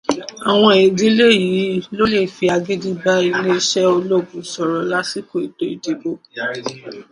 Àwọn ìdílé yìí ló lè fi agídí bá iléèṣẹ́ ológun sọ̀rọ̀ lásìkò ètò ìdìbò.